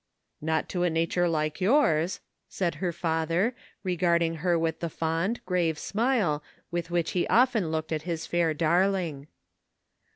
" "Not to a nature like yours," said her father, regarding her with the fond grave smile with which he often looked at his fair darling.